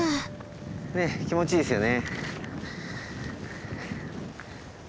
ねっ気持ちいいですよね。